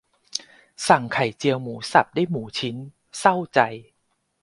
สั่งไข่เจียวหมูสับได้หมูชิ้น เศร้าใจ